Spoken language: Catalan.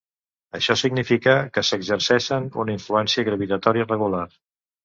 Això significa que s'exerceixen una influència gravitatòria regular.